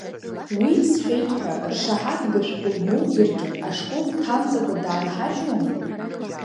Уи сҳәеит ҳәа ршаҳаҭгашәҟәы лмоуӡаргьы, ашкол дҭамҵакәа даанҳажьуама?